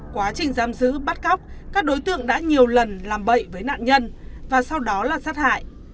quá trình giam giữ bắt cóc các đối tượng đã nhiều lần làm bậy với nạn nhân và sau đó là sát hại